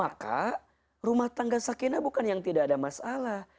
maka rumah tangga sakinah bukan yang tidak ada masalah